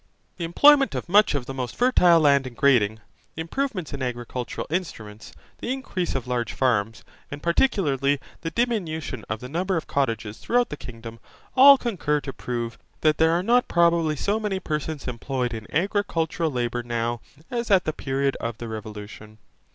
The employment of much of the most fertile land in grating, the improvements in agricultural instruments, the increase of large farms, and particularly the diminution of the number of cottages throughout the kingdom, all concur to prove, that there are not probably so many persons employed in agricultural labour now as at the period of the Revolution.